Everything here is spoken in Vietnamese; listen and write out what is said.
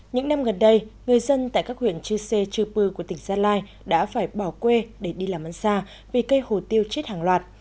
những năm gần đây người dân tại các huyện chư sê chư pư của tỉnh gia lai đã phải bỏ quê để đi làm ăn xa vì cây hồ tiêu chết hàng loạt